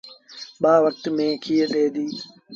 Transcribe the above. ٻآ وکت ميݩهن کير ڏي دي۔